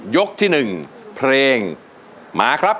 ที่๑เพลงมาครับ